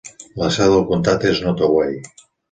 La seu del comtat és Nottoway.